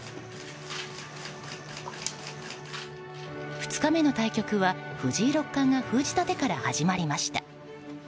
２日目の対局は藤井六冠が封じた手から始まりました。